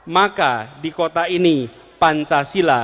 maka di kota ini pancasila